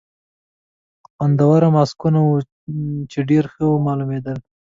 خوندور ماسکونه وو، چې ډېر ښه معلومېدل.